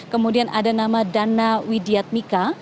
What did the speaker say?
kemudian ada nama dana widyatmika